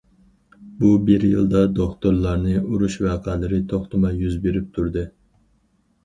بۇ بىر يىلدا دوختۇرلارنى ئۇرۇش ۋەقەلىرى توختىماي يۈز بېرىپ تۇردى.